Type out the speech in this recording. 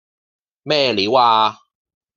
咩料呀